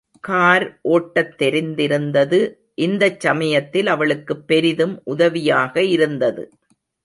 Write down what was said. Car ஓட்டத் தெரிந்திருந்தது இந்தச் சமயத்தில் அவளுக்குப் பெரிதும் உதவியாக இருந்தது.